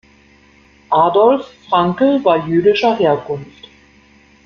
Adolf Frankl war jüdischer Herkunft.